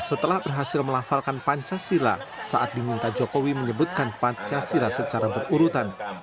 setelah berhasil melafalkan pancasila saat diminta jokowi menyebutkan pancasila secara berurutan